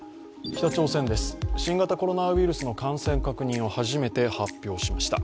北朝鮮です、新型コロナウイルスの感染確認を初めて発表しました。